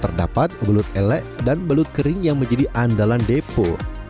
terdapat belut elek dan belut kering yang menjadi andalan depo